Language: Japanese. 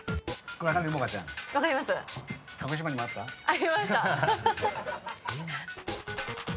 ありました。